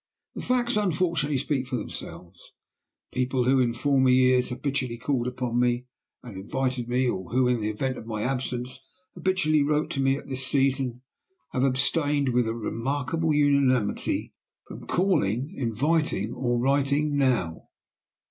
The facts, unfortunately, speak for themselves. People who in former years habitually called upon me and invited me or who, in the event of my absence, habitually wrote to me at this season have abstained with a remarkable unanimity from calling, inviting, or writing now.